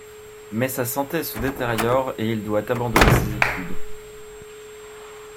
Mais sa santé se détériore et il doit abandonner ses études.